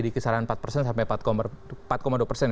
di kisaran empat persen sampai empat dua persen